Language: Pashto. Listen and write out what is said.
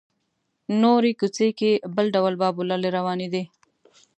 نورې کوڅې کې بل ډول بابولالې روانې دي.